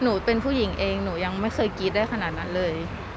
หนูเป็นผู้หญิงเองหนูยังไม่เคยกรี๊ดได้ขนาดนั้นเลย